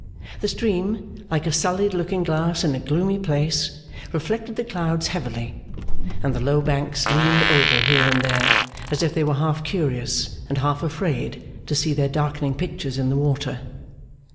The stream, like a sullied looking glass in a gloomy place, reflected the clouds heavily; and the low banks leaned over here and there, as if they were half curious, and half afraid, to see their darkening pictures in the water.